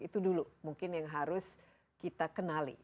itu dulu mungkin yang harus kita kenali